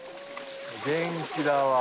元気だわ。